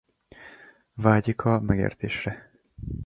Vágyik a megértésre.